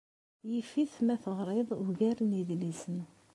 Yif-it ma teɣriḍ ugar n yedlisen.